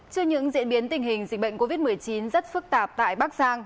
trước những diễn biến tình hình dịch bệnh covid một mươi chín rất phức tạp tại bắc giang